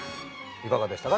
いかがでしたか？